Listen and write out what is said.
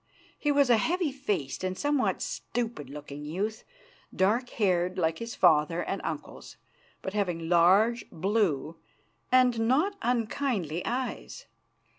He was a heavy faced and somewhat stupid looking youth, dark haired, like his father and uncles, but having large, blue, and not unkindly eyes.